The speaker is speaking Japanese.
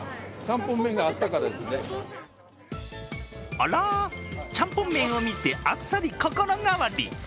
あら、ちゃんぽん麺を見てあっさり心変わり。